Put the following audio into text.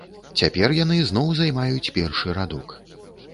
Цяпер яны зноў займаюць першы радок.